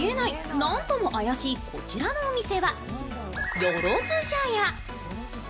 なんとも怪しいこちらのお店はよろず茶屋。